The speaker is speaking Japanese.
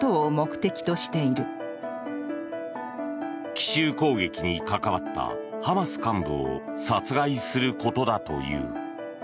奇襲攻撃に関わったハマス幹部を殺害することだという。